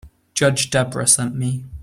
Judge Debra sent me.